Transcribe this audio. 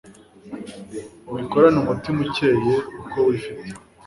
ubikorane umutima ukeye, uko wifite